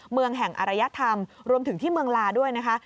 เมืองแห่งอรยธรรมรวมถึงที่เมืองลาด้วยนะคะ